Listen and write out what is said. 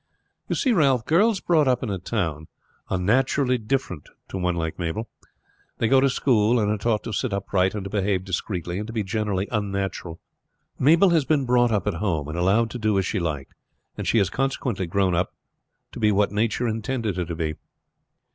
"You see, Ralph, girls brought up in a town are naturally different to one like Mabel. They go to school, and are taught to sit upright and to behave discreetly, and to be general unnatural. Mabel has been brought up at home and allowed to do as she liked, and she has consequently grown up what nature intended her to be.